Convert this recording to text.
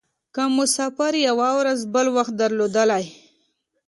که مو سفر یوه ورځ بل وخت درلودلای.